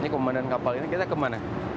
ini komandan kapal ini kita kemana